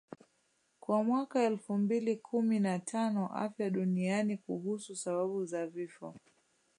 Kwa mwaka elfu mbili kumi na tano Afya duniani kuhusu sababu za vifo